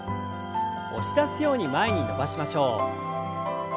押し出すように前に伸ばしましょう。